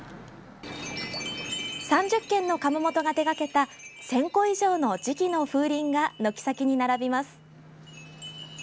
３０軒の窯元が手がけた１０００個以上の磁器の風鈴が軒先に並びます。